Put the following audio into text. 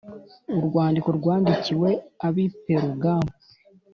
Urwandiko rwandikiwe ab’i Perugamo